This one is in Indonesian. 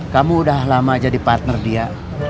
kamu udah lama jadi partner dia